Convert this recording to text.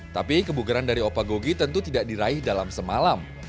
tapi kebugaran dari opa gogi tentu tidak diraih dalam semalam